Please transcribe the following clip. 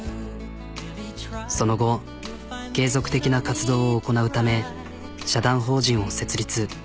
その後継続的な活動を行なうため社団法人を設立。